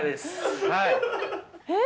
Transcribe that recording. え？